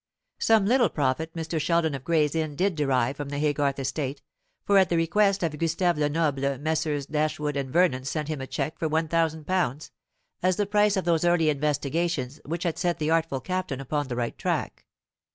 Some little profit Mr. Sheldon of Gray's Inn did derive from the Haygarth estate; for at the request of Gustave Lenoble Messrs. Dashwood and Vernon sent him a cheque for one thousand pounds, as the price of those early investigations which had set the artful Captain upon the right track.